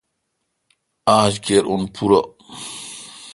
آج کیر اؙن پورہ۔